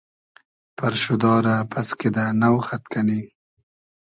پئرشودا رۂ پئس کیدۂ نۆ خئد کئنی